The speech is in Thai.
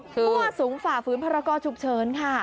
หัวสูงฝ่าฝืนพระราโกชุบเชิญค่ะ